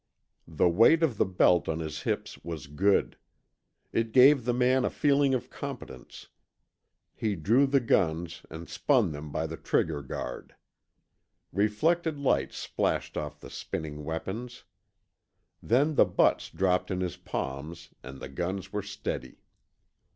The weight of the belt on his hips was good. It gave the man a feeling of competence. He drew the guns and spun them by the trigger guard. Reflected light splashed off the spinning weapons. Then the butts dropped in his palms, and the guns were steady.